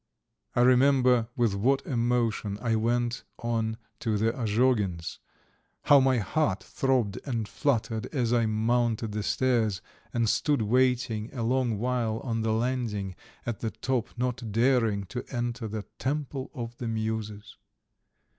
I remember with what emotion I went on to the Azhogins', how my heart throbbed and fluttered as I mounted the stairs, and stood waiting a long while on the landing at the top, not daring to enter that temple of the muses!